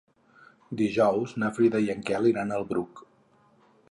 Dijous na Frida i en Quel iran al Bruc.